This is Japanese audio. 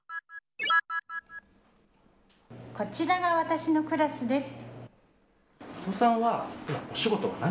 こちらが私のクラスです。